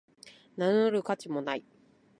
名乗る価値もない